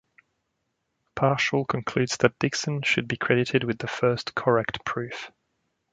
Parshall concludes that Dickson should be credited with the first correct proof.